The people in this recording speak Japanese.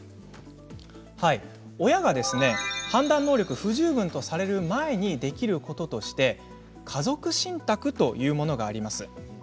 親が判断能力が不十分とされる前にできることとして家族信託があります。